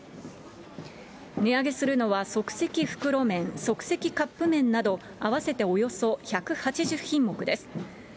値上げするのは、即席袋麺、即席カップ麺など、合わせておよそ１８０品目です。